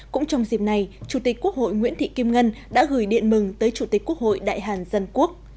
cũng trong dịp này chủ tịch quốc hội nguyễn thị kim ngân đã gửi điện mừng tới chủ tịch quốc hội đại hàn dân quốc